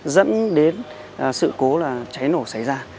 dẫn đến sự cố là cháy nổ xảy ra